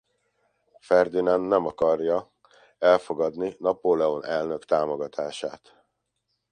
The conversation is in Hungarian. Ferdinand nem akarja elfogadni Napóleon elnök támogatását.